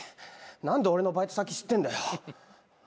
何で俺のバイト先知ってんだよ。